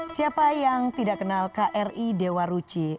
siapa yang tidak kenal kri dewa ruci